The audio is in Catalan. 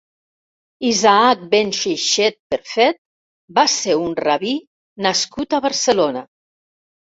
Isaac ben Xéixet Perfet va ser un rabí nascut a Barcelona.